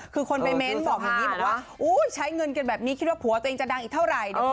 คือคนไปเม้นบอกอย่างนี้บอกว่าใช้เงินกันแบบนี้คิดว่าผัวตัวเองจะดังอีกเท่าไหร่